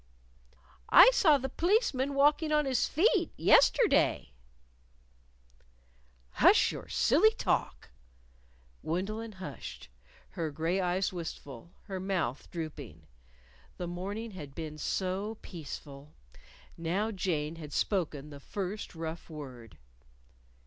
"I saw the p'liceman walking on his feet yesterday." "Hush your silly talk!" Gwendolyn hushed, her gray eyes wistful, her mouth drooping. The morning had been so peaceful. Now Jane had spoken the first rough word.